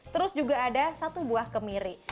terus juga ada satu buah kemiri